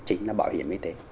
chính là bảo hiểm y tế